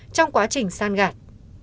trong quá trình sàn gạt